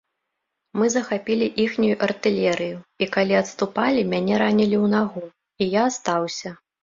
Мы захапілі іхнюю артылерыю, і, калі адступалі, мяне ранілі ў нагу, і я астаўся.